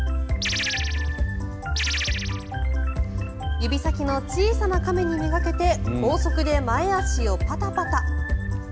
指先の小さな亀にめがけて高速で前足をパタパタ。